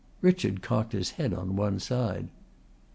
Richard cocked his head on one side.